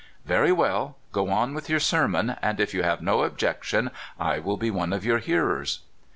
"Very well; go on with your sermon, and if you have no objection I will be one of your hearers."